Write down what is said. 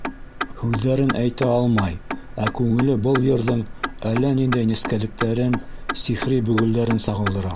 Һүҙҙәрен әйтә алмай, ә күңеле был йырҙың әллә ниндәй нескәлектәрен, сихри бөгөлдәрен сағылдыра.